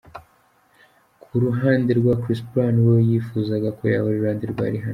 Ku ruhande rwa Chris Brown we yifuzaga ko yahora iruhande rwa Rihanna.